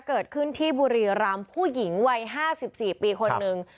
เกิดขึ้นที่บุรีรำผู้หญิงวัย๕๔ปีคนนึง